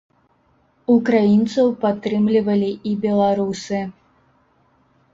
Украінцаў падтрымлівалі і беларусы.